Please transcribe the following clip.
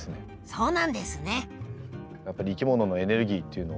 そうなんですね。